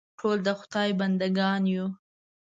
ټول د خدای بندهګان یو.